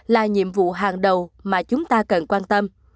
là nhiệm vụ hàng đầu mà chúng ta cần quan tâm